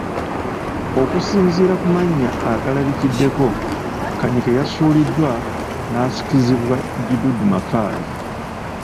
Okusinziira ku mannya agalabikiddeko, Kanyike yasuuliddwa n’asikizibwa Gidudu Mafabi.